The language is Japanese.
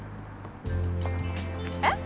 えっ？